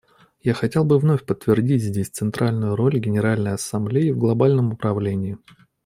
Я хотел бы вновь подтвердить здесь центральную роль Генеральной Ассамблеи в глобальном управлении.